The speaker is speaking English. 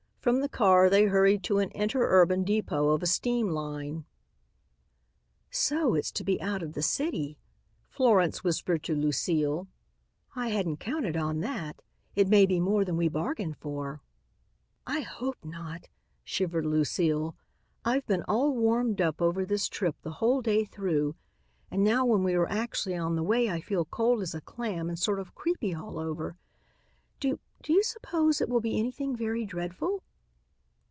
From the car they hurried to an inter urban depot of a steam line. "So it's to be out of the city," Florence whispered to Lucile. "I hadn't counted on that. It may be more than we bargained for." "I hope not," shivered Lucile. "I've been all warmed up over this trip the whole day through and now when we are actually on the way I feel cold as a clam and sort of creepy all over. Do do you suppose it will be anything very dreadful?"